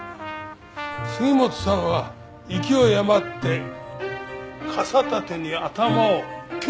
杉本さんは勢い余って傘立てに頭を強打！